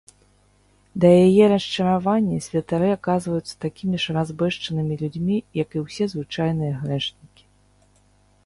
Да яе расчаравання, святары аказваюцца такімі ж разбэшчанымі людзьмі як і ўсе звычайныя грэшнікі.